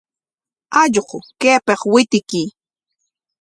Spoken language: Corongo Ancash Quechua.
¡Allqu, kaypik witiy!